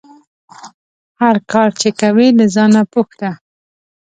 هر کار چې کوې له ځانه پوښته